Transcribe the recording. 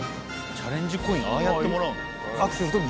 チャレンジコインああやってもらうの？